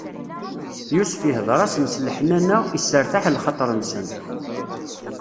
Yusef ihdeṛ-asen s leḥnana, isseṛtaḥ lxaṭer-nsen.